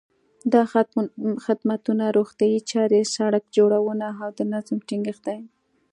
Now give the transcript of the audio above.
دا خدمتونه روغتیايي چارې، سړک جوړونه او د نظم ټینګښت دي.